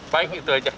baik itu aja